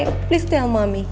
tolong beritahu mami